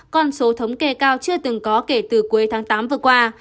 con số thống kê cao chưa từng có kể từ cuối tháng tám vừa qua